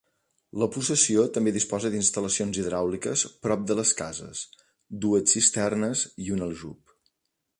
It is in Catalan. La possessió també disposa d'instal·lacions hidràuliques prop de les cases: dues cisternes i un aljub.